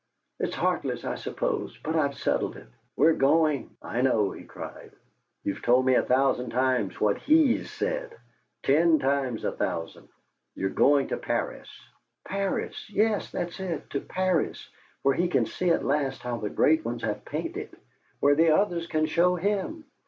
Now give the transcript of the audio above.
"It's heartless, I suppose, but I've settled it! We're going " "I know," he cried. "You've told me a thousand times what HE'S said ten times a thousand. You're going to Paris!" "Paris! Yes, that's it. To Paris, where he can see at last how the great ones have painted, where the others can show him!